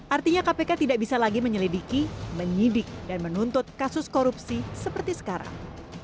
artinya kpk tidak bisa lagi menyelidiki menyidik dan menuntut kasus korupsi seperti sekarang